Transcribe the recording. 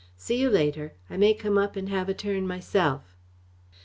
See you later. I may come up and have a turn myself."